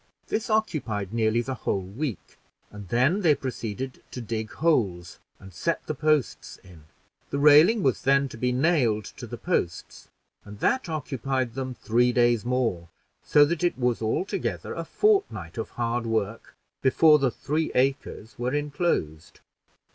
This occupied nearly the whole week, and then they proceeded to dig holes and set the posts in. The railing was then to be nailed to the posts, and that occupied them three days more; so that it was altogether a fortnight of hard work before the three acres were inclosed.